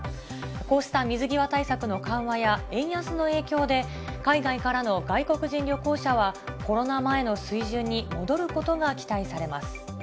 こうした水際対策の緩和や円安の影響で、海外からの外国人旅行者はコロナ前の水準に戻ることが期待されます。